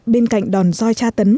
bên cạnh đòn doi tra tấn